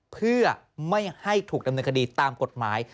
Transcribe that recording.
เพื่อไม่ให้ถูกดำเนินคดีตามกฎหมาย